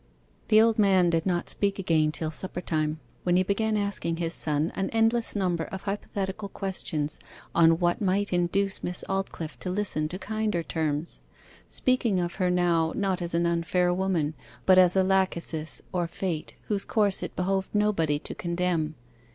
The old man did not speak again till supper time, when he began asking his son an endless number of hypothetical questions on what might induce Miss Aldclyffe to listen to kinder terms; speaking of her now not as an unfair woman, but as a Lachesis or Fate whose course it behoved nobody to condemn.